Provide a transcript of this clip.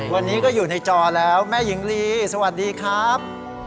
วันนี้ก็อยู่ในจอแล้วแม่หญิงลีสวัสดีครับ